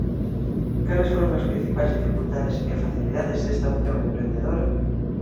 Cales foron as principais dificultades e facilidades desta opción emprendedora?